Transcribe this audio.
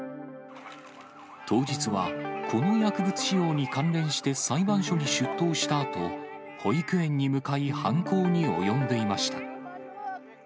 当日は、この薬物使用に関連して裁判所に出頭したあと、保育園に向かい、犯行に及んでいました。